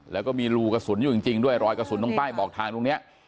แล้วก็มีรูกระสุนอยู่จริงด้วยรอยกระสุนตรงป้ายบอกทางตรงนี้